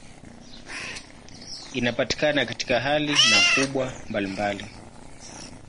Inapatikana katika hali na ukubwa mbalimbali.